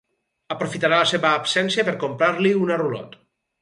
Aprofitarà la seva absència per comprar-li una rulot.